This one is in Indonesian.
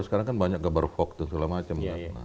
tapi sekarang kan banyak kabar vok dan segala macam